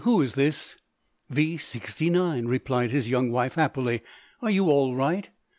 Who is this?" "V sixty nine," replied his young wife happily. "Are you all right?"